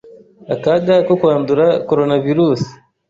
akaga ko kwandura Coronavirus